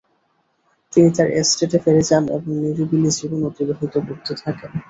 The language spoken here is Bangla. তিনি তার এস্টেটে ফিরে যান এবং নিরিবিলি জীবন অতিবাহিত করতে থাকেন।